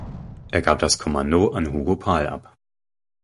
Er gab das Kommando an Hugo Pahl ab.